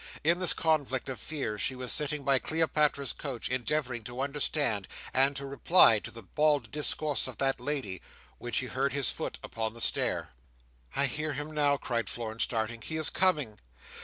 In this conflict of fears; she was sitting by Cleopatra's couch, endeavouring to understand and to reply to the bald discourse of that lady, when she heard his foot upon the stair. "I hear him now!" cried Florence, starting. "He is coming!"